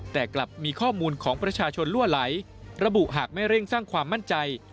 แต่กลับมีข้อมูลของประชาชนลั่วไหลระบุหากไม่เร่งสร้างความมั่นใจ